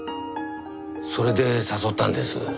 それで誘ったんです。